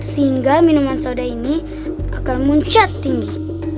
sehingga minuman soda ini akan muncat tinggi